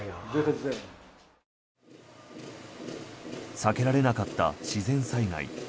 避けられなかった自然災害。